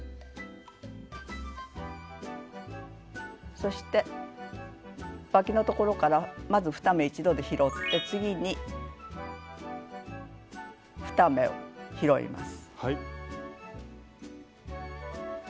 そしてわきのところからまず２目一度で拾って次に２目を拾います。